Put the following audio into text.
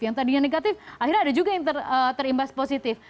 yang tadinya negatif akhirnya ada juga yang terimbas positif